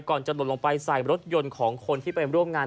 ก่อนจะลดลงไปสายรถยนต์ของคนที่เป็นร่วมงาน